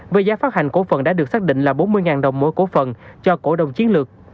với giá phát hành cổ phần đã được xác định là bốn mươi đồng mỗi cổ phần cho cổ đồng chiến lược